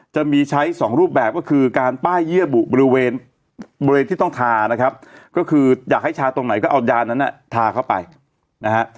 จะมีใช้สองรูปแบบก็คือการป้ายเยื่อบุบริเวณบริเวณที่ต้องทานะครับก็คืออยากให้ทาตรงไหนก็เอายานั้นทาเข้าไปนะฮะ